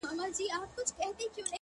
زه په اوګـــــــــــــه به جنازې اخلمه